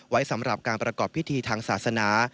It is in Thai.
ไว้สำหรับการประกอบพิธีทางศาสนา